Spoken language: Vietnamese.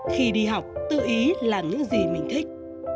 khi đi học tự ý làm những gì mình thích